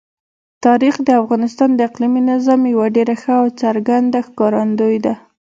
تاریخ د افغانستان د اقلیمي نظام یوه ډېره ښه او څرګنده ښکارندوی ده.